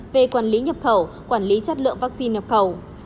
về quản lý nhập khẩu quản lý chất lượng vaccine nhập khẩu